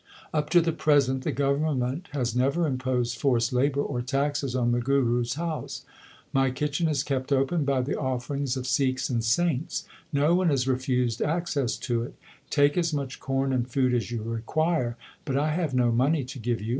Up to the present the govern ment hath never imposed forced labour or taxes on the Guru s house. My kitchen is kept open by the offerings of Sikhs and saints. No one is refused access to it. Take as much corn and food as you require, but I have no money to give you.